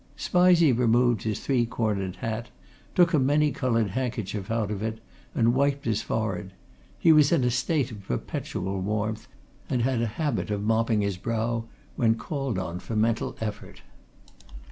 Spizey removed his three cornered hat, took a many coloured handkerchief out of it, and wiped his forehead he was in a state of perpetual warmth, and had a habit of mopping his brow when called on for mental effort.